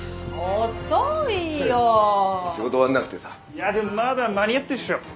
いやでもまだ間に合ってるっしょ。